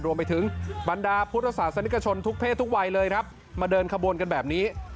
รวมไปถึงบรรดาพุทธศาสนิกชนทุกเพศทุกวัยเลยครับมาเดินขบวนกันแบบนี้